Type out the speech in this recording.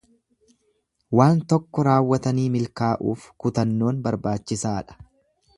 Waan tokko raawwatanii milkaa'uuf kutannoon barbaachisaadha.